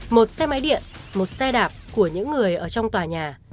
một xe máy điện một xe đạp của những người ở trong tòa nhà